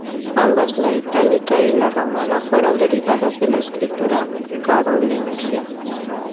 Ambas, la "itálica" y la "romana" fueron derivadas de la escritura carolingia.